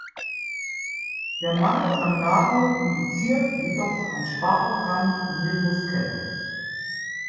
Der Mangel an Nahrung induziert jedoch ein „Sparprogramm“ in den Muskeln.